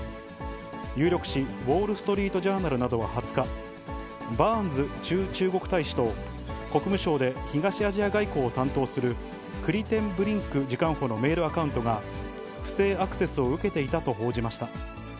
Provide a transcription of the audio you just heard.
有力紙、ウォール・ストリート・ジャーナルなどは２０日、バーンズ駐中国大使と、国務省で東アジア外交を担当するクリテンブリンク次官補のメールアカウントが、不正アクセスを受けていたと報じました。